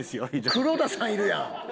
黒田さんいるやん。